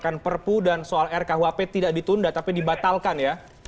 masuk menuntut untuk dikeluarkan perbu dan soal rkhp tidak ditunda tapi dibatalkan ya